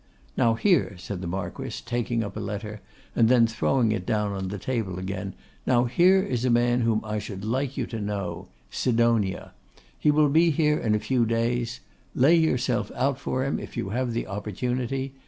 Now, here,' said the Marquess, taking up a letter and then throwing it on the table again, 'now here is a man whom I should like you to know, Sidonia. He will be here in a few days. Lay yourself out for him if you have the opportunity.